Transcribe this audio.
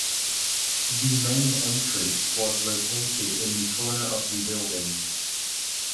The main entrance was located in the corner of the building.